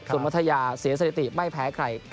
ส่วนพัทยาเสียสถิติไม่แพ้ใคร